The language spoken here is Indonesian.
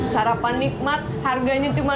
sarapan nikmat harganya cuma empat ribu